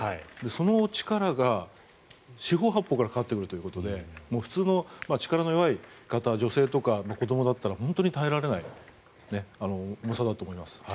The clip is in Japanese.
その力が四方八方からかかってくるということでもう、普通の力の弱い方女性とか子どもだったら本当に耐えられない重さだと思います。